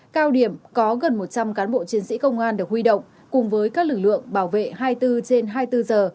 cao điểm có gần một trăm linh cán bộ chiến sĩ công an được huy động cùng với các lực lượng bảo vệ hai mươi bốn trên hai mươi bốn giờ